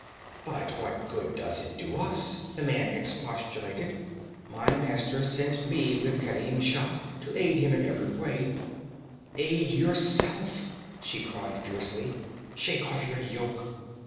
'But what good does it do us?' the man expostulated. 'My masters sent me with Kerim Shah to aid him in every way ' 'Aid yourself!' she cried fiercely. 'Shake off your yoke!'